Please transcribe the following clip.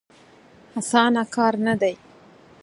اسانه کار نه دی.